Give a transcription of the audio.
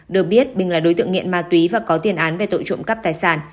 được biết bình là đối tượng nghiện ma túy và có tiền án về tội trộm cắp tài sản